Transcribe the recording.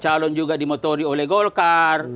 calon juga dimotori oleh golkar